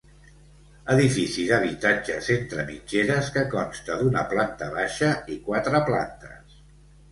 Edifici d'habitatges entre mitgeres que consta d'una planta baixa i quatre plantes.